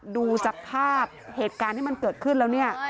ดูจากภาพเหตุการณ์ที่มันเกิดขึ้นแล้วเนี่ย